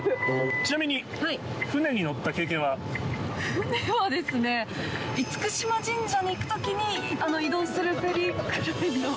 ちなみに、船はですね、厳島神社に行くときに移動するフェリーくらいの。